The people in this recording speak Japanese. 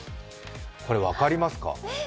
これ分かりますか？